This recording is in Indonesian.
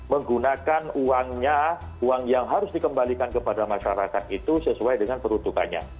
menggunakan uangnya uang yang harus dikembalikan kepada masyarakat itu sesuai dengan peruntukannya